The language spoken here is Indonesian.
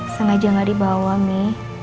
sengaja gak dibawa mami